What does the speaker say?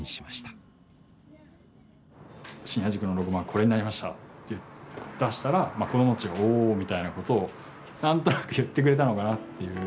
これになりました」って出したら子どもたちが「おお」みたいなことを何となく言ってくれたのかなっていう。